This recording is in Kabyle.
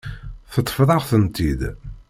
Teṭṭfeḍ-aɣ-tent-id.